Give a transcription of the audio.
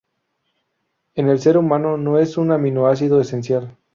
En el ser humano no es un aminoácido esencial.